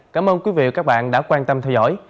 cảm ơn quý vị và các bạn đã quan tâm theo dõi